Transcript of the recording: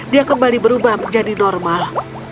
dia kembali berubah menjadi normal